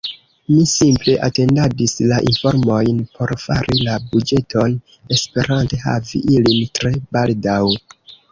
Mi simple atendadis la informojn por fari la buĝeton, esperante havi ilin tre baldaŭ.